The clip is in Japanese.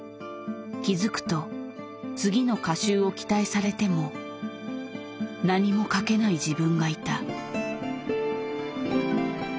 気付くと次の歌集を期待されても何も書けない自分がいた。